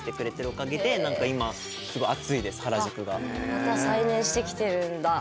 また再燃してきてるんだ。